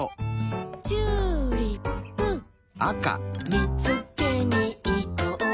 「見つけに行こう」